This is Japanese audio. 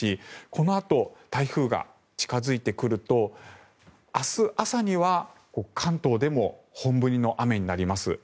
このあと台風が近付いてくると明日朝には関東でも本降りの雨になります。